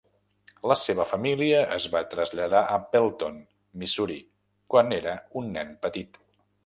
La seva família es va traslladar a Belton (Missouri), quan era un nen petit.